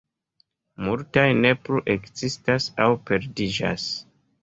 Multaj ne plu ekzistas aŭ perdiĝas.